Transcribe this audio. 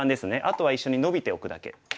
あとは一緒にノビておくだけ。